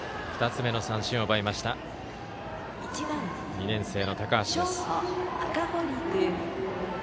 ２つ目の三振を奪いました２年生の高橋です。